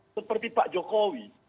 seperti pak jokowi